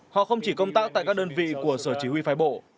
họ không chỉ công tác tại các đơn vị của sở chỉ huy phái bộ